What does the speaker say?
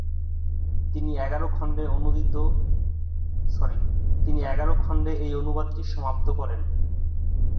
তিনি এগারো খণ্ডে এই অনুবাদটি সমাপ্ত করেন।